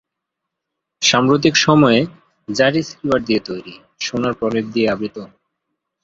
সাম্প্রতিক সময়ে, জারি সিলভার দিয়ে তৈরি, সোনার প্রলেপ দিয়ে আবৃত।